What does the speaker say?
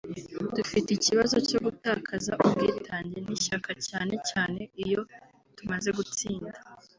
Dufite ikibazo cyo gutakaza ubwitange n’ishyaka cyane cyane iyo tumaze gutsinda